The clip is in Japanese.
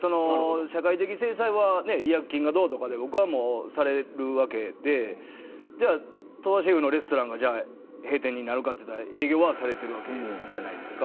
社会的制裁は違約金がどうとかでもうされるわけで鳥羽シェフのレストランが閉店になるかといったら営業はされているわけじゃないですか。